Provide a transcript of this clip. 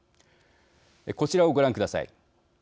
こちらをご覧ください。